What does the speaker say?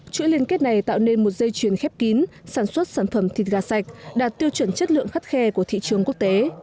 chuỗi liên kết này tạo nên một dây chuyền khép kín sản xuất sản phẩm thịt gà sạch đạt tiêu chuẩn chất lượng khắt khe của thị trường quốc tế